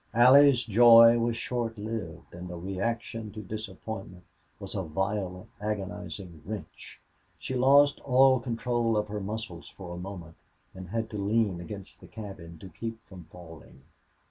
Allie's joy was short lived, and the reaction to disappointment was a violent, agonizing wrench. She lost all control of her muscles for a moment, and had to lean against the cabin to keep from falling.